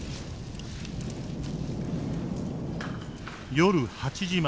夜８時前。